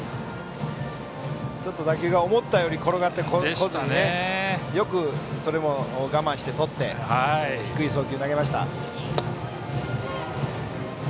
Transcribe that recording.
打球が思ったように転がってこずによく、それも我慢してとって低い送球を投げました。